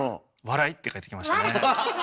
「笑」って返ってきましたね。